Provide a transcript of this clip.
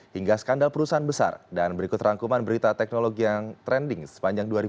hingga skandal perusahaan besar dan berikut rangkuman berita teknologi yang trending sepanjang dua ribu dua puluh